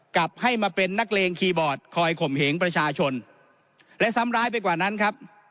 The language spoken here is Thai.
กลับให้มาเป็นนักเลงคีย์บอร์ดคอยข่มเหงประชาชนและซ้ำร้ายไปกว่านั้นครับ